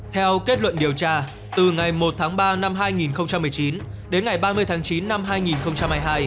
theo kết luận điều tra từ ngày một tháng ba năm hai nghìn một mươi chín đến ngày ba mươi tháng chín năm hai nghìn hai mươi hai